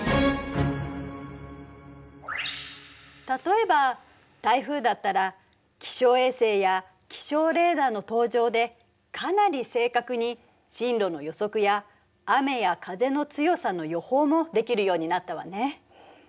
例えば台風だったら気象衛星や気象レーダーの登場でかなり正確に進路の予測や雨や風の強さの予報もできるようになったわね。